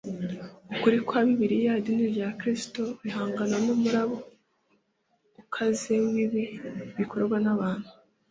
ukuri kwa bibiliya, idini rya kristo, rihangana n’umuraba ukaze w’ibibi bikorwa n’abantu